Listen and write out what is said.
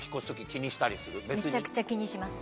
めちゃくちゃ気にします。